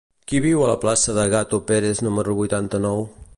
Qui viu a la plaça de Gato Pérez número vuitanta-nou?